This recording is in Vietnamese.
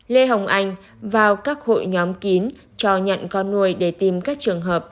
lê hồng anh vào các hội nhóm kín cho nhận con nuôi để tìm các trường hợp